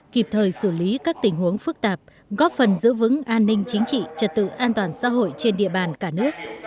kịp thời xử lý các tình huống phức tạp góp phần giữ vững an ninh chính trị trật tự an toàn xã hội trên địa bàn cả nước